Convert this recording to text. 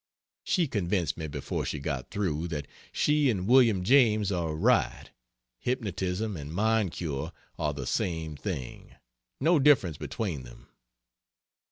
She convinced me before she got through, that she and William James are right hypnotism and mind cure are the same thing; no difference between them.